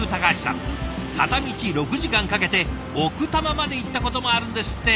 片道６時間かけて奥多摩まで行ったこともあるんですって！